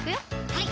はい